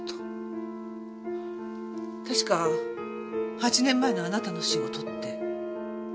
確か８年前のあなたの仕事って。